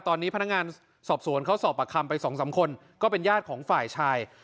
ตอนนี้พนักงานสอบสวนเขาสอบประคำไป๒๓คนก็เป็นญาติของฝ่ายชาย